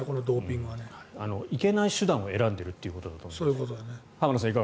ドーピングはいけない手段を選んでいるということだと思います。